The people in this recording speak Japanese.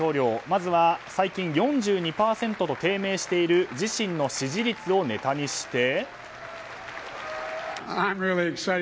まずは最近、４２％と低迷している自身の支持率をネタにして。